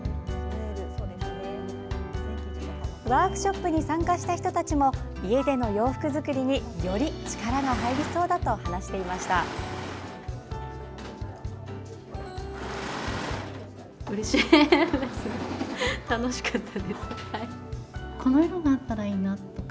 ワークショップに参加した人たちも家での洋服作りに、より力が入りそうだと話していました。